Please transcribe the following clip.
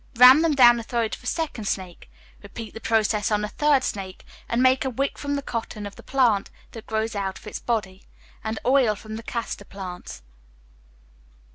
Ram them down the throat of a second snake. Repeat the process on a third snake, and make a wick from the cotton of the plant that grows out of its body, and oil from the castor plants.